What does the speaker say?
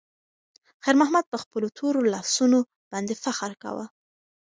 خیر محمد په خپلو تورو لاسونو باندې فخر کاوه.